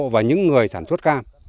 và những người sản xuất cam